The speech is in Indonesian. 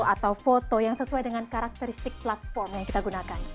atau foto yang sesuai dengan karakteristik platform yang kita gunakan